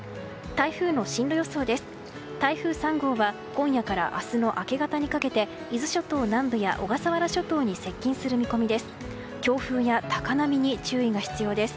台風３号は今夜から明日の明け方にかけて伊豆諸島南部や小笠原諸島に接近する見込みです。